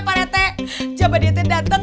pak rete jabat dia teh datang